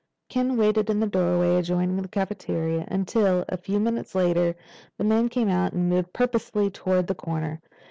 Ken waited in the doorway adjoining the cafeteria until, a few minutes later, the man came out and moved purposefully toward the corner.